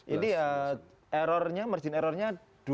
ini errornya margin errornya dua